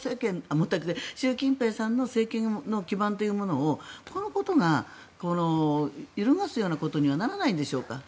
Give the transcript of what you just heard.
習近平さんの政権の基盤というものをこのことが揺るがすようなことにならないでしょうか。